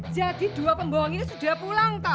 jadi dua pembohong ini sudah pulang toh